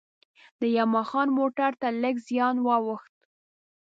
د یما خان موټر ته لږ زیان وا ووښت.